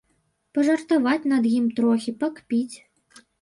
Пажартаваць над ім трохі, пакпіць.